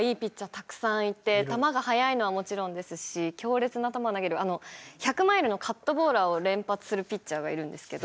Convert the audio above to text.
たくさんいて球が速いのはもちろんですし強烈な球を投げる１００マイルのカットボーラーを連発するピッチャーがいるんですけど。